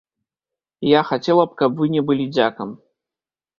Я хацела б, каб вы не былі дзякам.